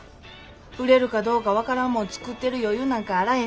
売れるかどうか分からんもん作ってる余裕なんかあらへんねん。